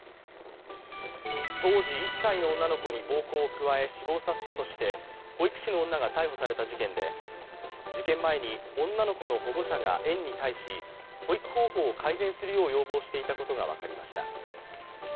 当時１歳の女の子に暴行を加え死亡させたとして保育士の女が逮捕された事件で、事件前に女の子の保護者が園に対し、保育方法を改善するよう要望していたことが分かりました。